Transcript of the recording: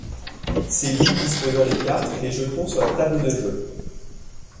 Céline disposant les cartes et les jetons sur la table de jeu.